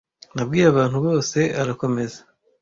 nabwiye abantu bose arakomeza